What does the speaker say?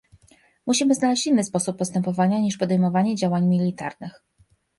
Musimy znaleźć inny sposób postępowania niż podejmowanie działań militarnych